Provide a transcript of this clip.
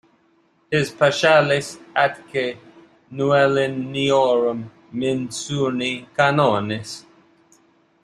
His Paschales atque nouiluniorum mensurni canones.